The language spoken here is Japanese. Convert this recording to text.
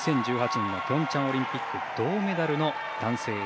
２０１８年のピョンチャンオリンピック銅メダルの男性